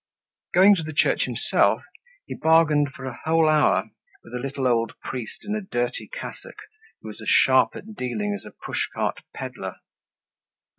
Going to the church himself, he bargained for a whole hour with a little old priest in a dirty cassock who was as sharp at dealing as a push cart peddler.